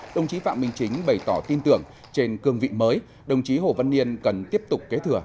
đồng chí phạm minh chính bày tỏ tin tưởng trên cương vị mới đồng chí hồ văn niên cần tiếp tục kế thừa